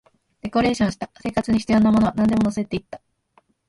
デコレーションした、生活に必要なものはなんでも乗せていった